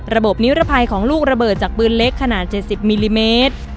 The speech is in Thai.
ระบบนิรภัยของลูกระเบิดจากปืนเล็กขนาด๗๐มิลลิเมตร